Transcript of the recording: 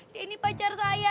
dia ini pacar saya